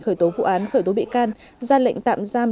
khởi tố vụ án khởi tố bị can ra lệnh tạm giam